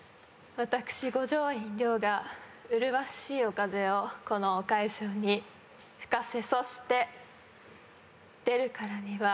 私五条院凌が麗しいお風をこのお会場に吹かせそして出るからには。